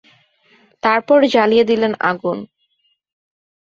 তারপর জ্বালিয়ে দিলেন আগুন।